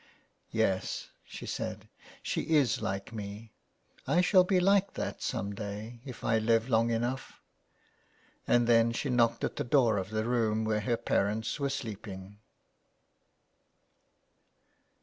" Yes,'' she said, *' she is like me, I shall be like that some day if I live long enough." And then she knocked at the door of the room where her parents were sleeping.